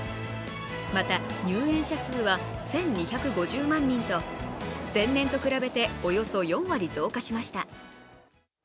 また入園者数は１２５０万人と前年と比べて、およそ４割増加しました。